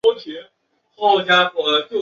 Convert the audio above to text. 阿什顿巷。